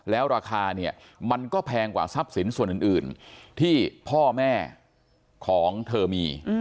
แล้วราคาเนี่ยมันก็แพงกว่าทรัพย์สินส่วนอื่นที่พ่อแม่ของเธอมี